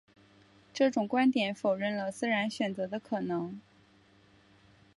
这种观点否认了自然选择的可能。